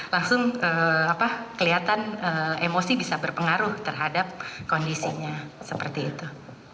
langsung kelihatan emosi bisa berpengaruh terhadap kondisinya seperti itu